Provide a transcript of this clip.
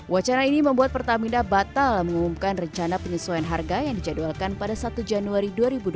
wacana ini membuat pertamina batal mengumumkan rencana penyesuaian harga yang dijadwalkan pada satu januari dua ribu dua puluh